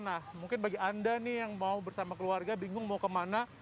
nah mungkin bagi anda nih yang mau bersama keluarga bingung mau kemana